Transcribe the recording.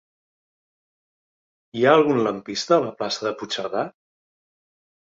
Hi ha algun lampista a la plaça de Puigcerdà?